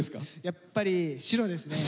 やっぱり白ですね。